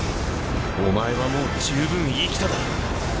お前はもう十分生きただろ。